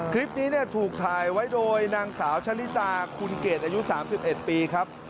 คลิปนี้ถูกถ่ายไว้โดยนางสาวชะลิตาคุณเกรดอายุ๓๑ปีครับ